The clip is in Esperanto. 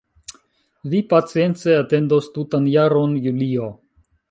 Vi pacience atendos tutan jaron, Julio?